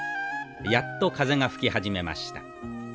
やっと風が吹き始めました。